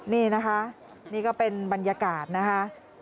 นี่นะคะนี่ก็เป็นบรรยากาศนะคะ